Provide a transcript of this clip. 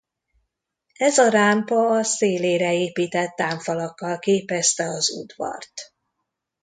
Ez a rámpa a szélére épített támfalakkal képezte az udvart.